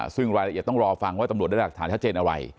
ซึ่งรายละเอียดต้องรอฟังว่าตำรวจได้หลักฐานชัดเจนอะไร